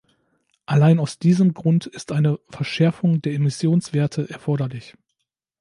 Allein aus diesem Grund ist eine Verschärfung der Emissionswerte erforderlich.